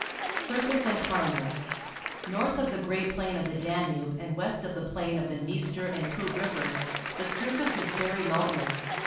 Surface and Climate. — North of the great plain of the Danube and west of the plain of the Dniester and Pruth Rivers, the surface is very mountainous.